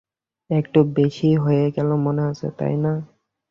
একটু বেশিই হয়ে গেলো মনে হচ্ছে, তাই না?